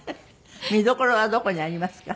見どころはどこにありますか？